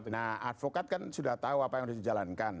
nah advokat kan sudah tahu apa yang harus dijalankan